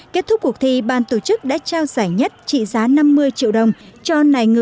kết thúc cuộc thi ban tổ chức đã trao giải nhất trị giá năm mươi triệu đồng cho nài ngựa